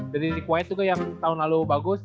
dari requiem tuh yang tahun lalu bagus